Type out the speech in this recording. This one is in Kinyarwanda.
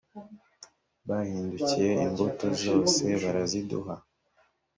bahindukiyeimbuto zose baraziduha.